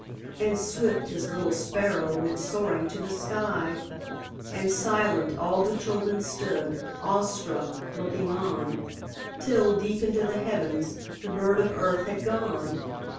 And swift, His little sparrow Went soaring to the sky, And silent, all the children Stood, awestruck, looking on, Till, deep into the heavens, The bird of earth had gone.